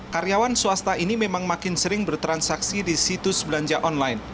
karyawan swasta ini memang makin sering bertransaksi di situs belanja online